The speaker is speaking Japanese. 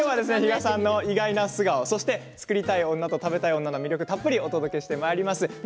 比嘉さんの意外な素顔「作りたい女と食べたい女」の魅力もたっぷりお届けしてまいります。